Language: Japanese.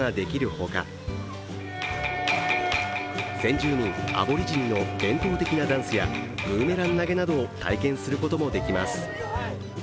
ほか先住民アボリジニの伝統的なダンスやブーメラン投げなどを体験することもできます。